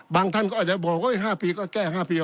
บางท่านก็อาจจะบอก๕ปีก็แก้๕ปี